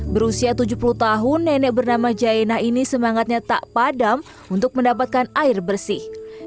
berusia tujuh puluh tahun nenek bernama jaena ini semangatnya tak padam untuk mendapatkan air bersih